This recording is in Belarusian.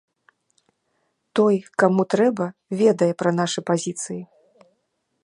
Той, каму трэба, ведае пра нашы пазіцыі.